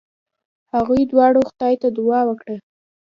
هغوی دواړو خدای ته دعا وکړه.